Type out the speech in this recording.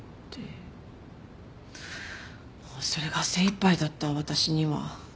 もうそれが精いっぱいだった私には。